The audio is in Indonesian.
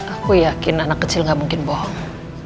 aku yakin anak kecil gak mungkin bohong